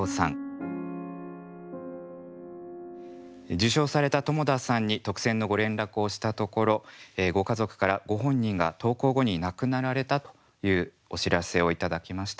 受賞された友田さんに特選のご連絡をしたところご家族からご本人が投稿後に亡くなられたというお知らせを頂きました。